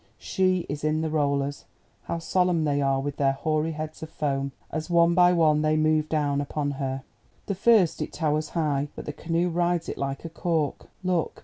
—she is in the rollers—how solemn they are with their hoary heads of foam, as one by one they move down upon her. The first! it towers high, but the canoe rides it like a cork. Look!